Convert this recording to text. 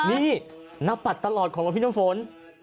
นี่นับปัดตลอดของรถพี่น้ำฝน